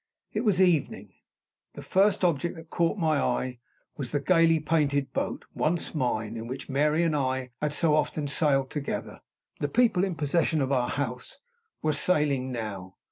It was evening. The first object that caught my eye was the gayly painted boat, once mine, in which Mary and I had so often sailed together. The people in possession of our house were sailing now.